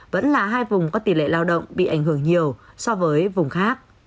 vẫn là hai vùng có tỷ lệ lao động bị ảnh hưởng nhiều so với vùng khác